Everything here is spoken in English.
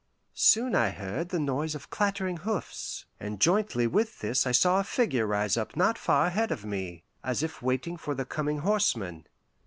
Soon I heard the noise of clattering hoofs, and jointly with this I saw a figure rise up not far ahead of me, as if waiting for the coming horseman.